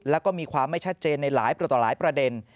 และก็มีความไม่ชัดเจนในหลายประเด็น